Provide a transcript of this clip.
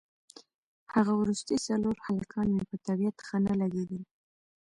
هغه وروستي څلور هلکان مې په طبیعت ښه نه لګېدل.